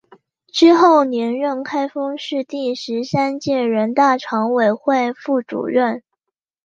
之后连任开封市第十三届人大常委会副主任。